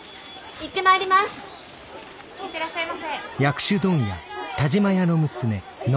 ・行ってらっしゃいませ。